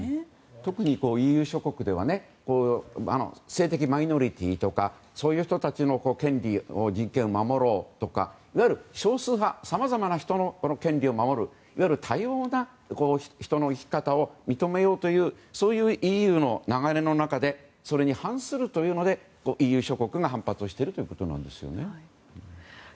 特にＥＵ諸国では性的マイノリティーとかそういう人たちの権利、人権を守ろうとかいわゆる少数派、さまざまな人の権利を守るいわゆる多様な人の生き方を認めようというＥＵの流れの中でそれに反するというのでＥＵ諸国が反発しているということです。